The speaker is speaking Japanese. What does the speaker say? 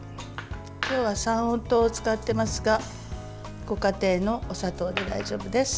今日は三温糖を使ってますがご家庭のお砂糖で大丈夫です。